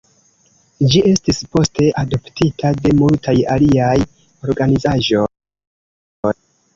Ĝi estis poste adoptita de multaj aliaj organizaĵoj.